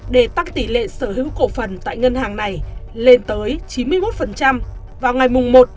để tắc tỷ lệ sở hữu cổ phần tại ngân hàng này lên tới chín mươi một vào ngày một một hai nghìn một mươi tám